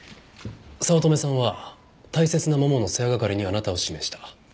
早乙女さんは大切なももの世話係にあなたを指名した。